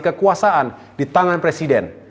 kekuasaan di tangan presiden